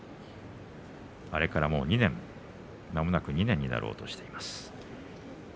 あれからまもなく２年になろうとしています。